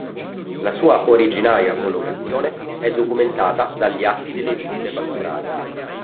La sua originaria collocazione è documentata dagli atti delle visite pastorali.